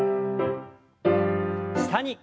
下に。